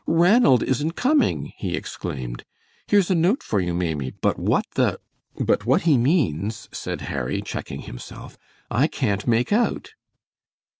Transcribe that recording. "Ranald isn't coming!" he exclaimed. "Here's a note for you, Maimie. But what the but what he means," said Harry, checking himself, "I can't make out."